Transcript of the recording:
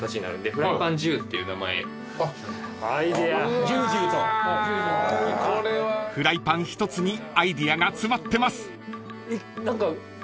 ［フライパン一つにアイデアが詰まってます］